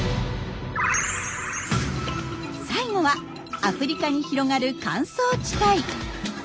最後はアフリカに広がる乾燥地帯。